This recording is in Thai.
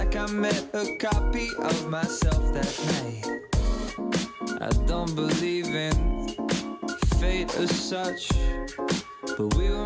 ขึ้นทางโอเคแล้ว